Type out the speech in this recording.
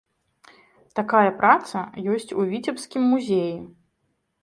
Такая праца ёсць у віцебскім музеі.